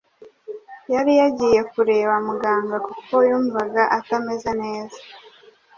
Yari yagiye kureba muganga kuko yumvaga atameze neza.